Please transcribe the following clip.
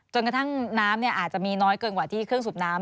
จนกระทั่งน้ำอาจจะมีน้อยเกินกว่าที่เครื่องสูบน้ำ